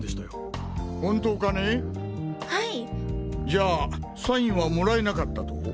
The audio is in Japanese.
じゃあサインはもらえなかったと？